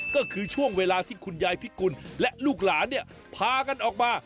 ก็คือช่วงเวลาที่คุณยายพิกุลและลูกหลานเนี่ยพากันออกมา